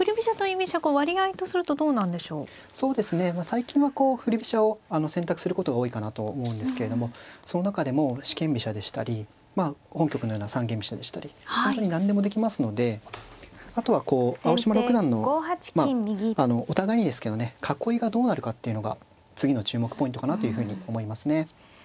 最近はこう振り飛車を選択することが多いかなと思うんですけれどもその中でも四間飛車でしたりまあ本局のような三間飛車でしたり本当に何でもできますのであとはこう青嶋六段のまあお互いにですけどね囲いがどうなるかっていうのが次の注目ポイントかなというふうに思いますね。